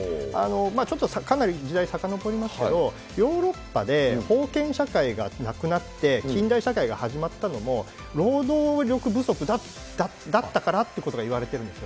ちょっとかなり時代さかのぼりますけれども、ヨーロッパで、封建社会がなくなって、近代社会が始まったのも、労働力不足だったからっていうことがいわれてるんですよ。